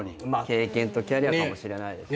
経験とキャリアかもしれないですね。